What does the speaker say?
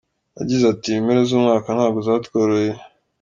Yagize ati “Impera z’umwaka ntago zatworoheye.